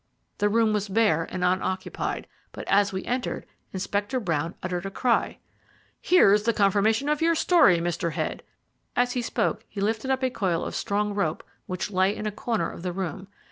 The room was bare and unoccupied, but, as we entered, Inspector Brown uttered a cry. "Here is confirmation of your story, Mr. Head." As he spoke he lifted up a coil of strong rope which lay in a corner of the room.